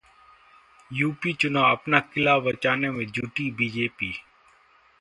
UP चुनाव: अपना किला बचाने में जुटी बीजेपी